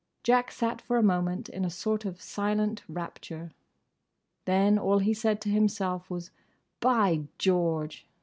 Jack sat for a moment in a sort of silent rapture. Then all he said to himself was "By George!"